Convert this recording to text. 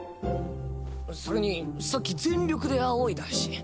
それにさっき全力であおいだし。